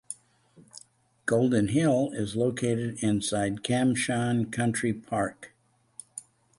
Golden Hill is located inside Kam Shan Country Park.